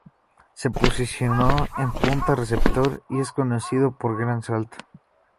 Su posición es punta receptor, y es conocido por gran salto.